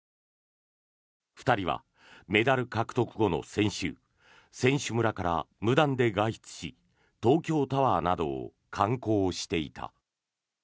２人はメダル獲得後の先週選手村から無断で外出し東京タワーなどを観光していた。